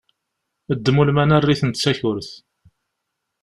Ddem ulman-a err-iten d takurt!